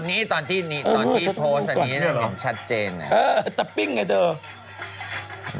นางบอกมีเคลื่อนไหวด้วย